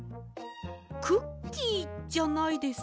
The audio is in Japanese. クッキーじゃないですか？